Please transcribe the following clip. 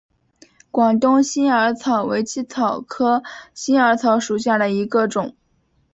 广东新耳草为茜草科新耳草属下的一个种。